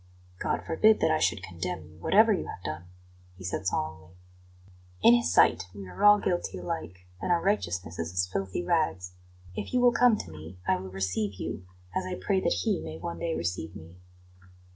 "God forbid that I should condemn you, whatever you have done!" he said solemnly. "In His sight we are all guilty alike, and our righteousness is as filthy rags. If you will come to me I will receive you as I pray that He may one day receive me."